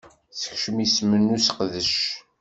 Sekcem isem n useqdac